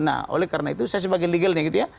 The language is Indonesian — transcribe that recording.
nah oleh karena itu saya sebagai legalnya gitu ya